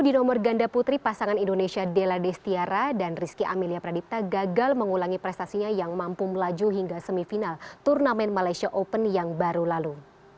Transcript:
di nomor ganda putri pasangan indonesia della destiara dan rizky amelia pradipta gagal mengulangi prestasinya yang mampu melaju hingga semifinal turnamen malaysia open yang baru lalu